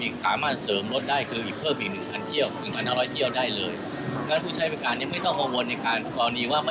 การกรณีบ่อสรวจหักรถออกตลอด